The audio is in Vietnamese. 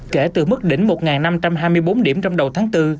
kể từ mức đỉnh một năm trăm hai mươi bốn điểm trong đầu tháng bốn